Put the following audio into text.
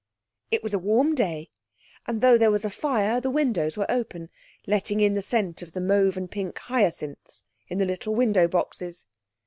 It was a warm day, and though there was a fire the windows were open, letting in the scent of the mauve and pink hyacinths in the little window boxes.